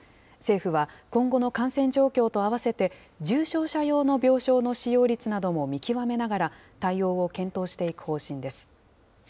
政府は今後の感染状況とあわせて、重症者用の病床の使用率なども見極めながら対応を検討していく方針です。